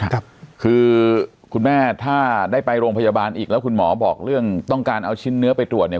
ครับคือคุณแม่ถ้าได้ไปโรงพยาบาลอีกแล้วคุณหมอบอกเรื่องต้องการเอาชิ้นเนื้อไปตรวจเนี่ย